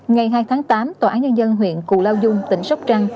ngày hai tháng tám tòa án nhân dân huyện cù lao dung tỉnh sóc trăng